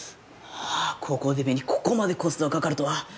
高校デビューにここまでコストがかかるとは。